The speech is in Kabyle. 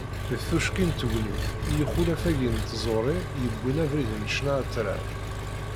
Dtukci n tegnit i yixulaf-agi n tẓuri, yewwin abrid n ccna atrar.